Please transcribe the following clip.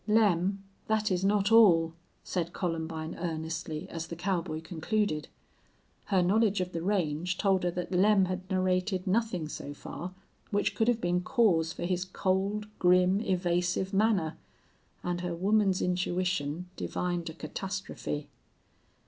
"Lem, that is not all," said Columbine, earnestly, as the cowboy concluded. Her knowledge of the range told her that Lem had narrated nothing so far which could have been cause for his cold, grim, evasive manner; and her woman's intuition divined a catastrophe.